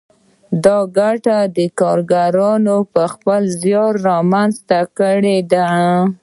دا ګټه کارګرانو په خپل زیار رامنځته کړې ده